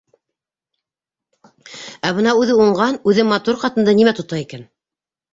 Ә бына үҙе уңған, үҙе матур ҡатынды нимә тота икән?